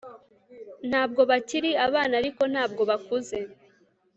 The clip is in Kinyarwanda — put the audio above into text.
ntabwo bakiri abana, ariko ntabwo bakuze